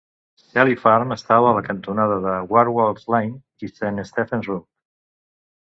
Selly Farm estava a la cantonada de Warwards Lane i Saint Stephen's Road.